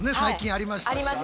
ありましたよね。